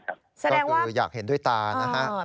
ก็คืออยากเห็นด้วยตานะฮะ